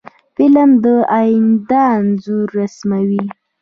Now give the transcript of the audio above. فلم د آینده انځور رسموي